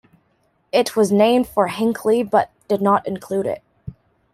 It was named for Hinckley, but did not include it.